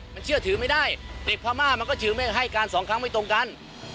มันเชื่อถือไม่ได้เด็กพม่ามันก็ถือไม่ให้การสองครั้งไม่ตรงกัน